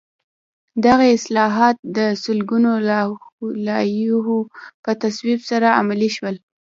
دغه اصلاحات د سلګونو لایحو په تصویب سره عملي شول.